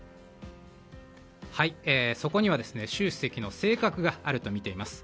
そこには習主席の性格があるとみています。